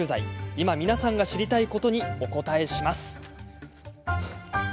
今、皆さんが知りたいことにお答えします。